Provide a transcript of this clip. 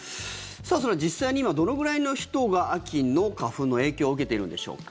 それでは実際に今どのくらいの人が秋の花粉の影響を受けているんでしょうか。